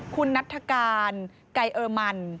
คุณนัฐกาลไกเออมัน